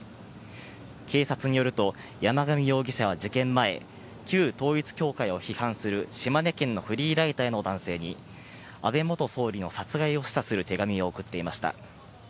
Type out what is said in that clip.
警察によると、山上容疑者は事件前、旧統一教会を批判する島根県のフリーライターの男性に、安倍元総理の殺害を示唆する手紙を送っていました。